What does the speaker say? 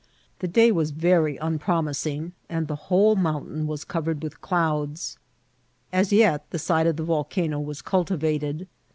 The day was very unpromising, and the whole mountain was covered with clouds. As yet the side of the volcano was cultivated.